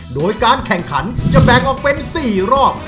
โดยการแข่งขันจะแบ่งออกเป็น๔รอบ